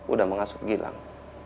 udah mengasuh gilang